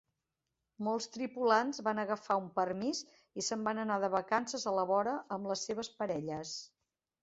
Molts tripulants van agafar un permís i se'n van anar de vacances a la vora amb les seves parelles.